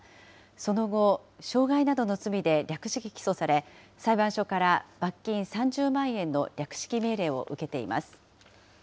その後、傷害などの罪で略式起訴され、裁判所から罰金３０万円の略式命令を受けています。